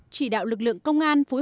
chỉ đạo lực lượng công an